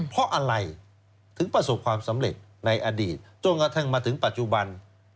เพราะอะไรถึงประสบความสำเร็จในอดีตจนกระทั่งมาถึงปัจจุบัน